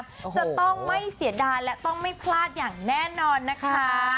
จะต้องไม่เสียดายและต้องไม่พลาดอย่างแน่นอนนะคะ